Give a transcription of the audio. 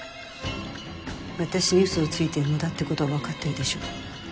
私に嘘をついても無駄ってことは分かってるでしょ。